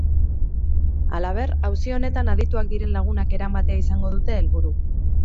Halaber, auzi honetan adituak diren lagunak eramatea izango dute helburu.